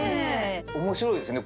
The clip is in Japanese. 面白いですね。